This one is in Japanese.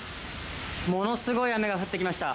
ものすごい雨が降ってきました。